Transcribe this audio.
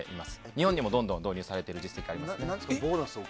日本にもどんどん導入されている実績があります。